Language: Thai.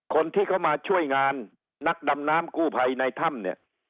คนที่เขามาช่วยงานนักดำน้ำกู้ภัยในถ้ำเนี่ย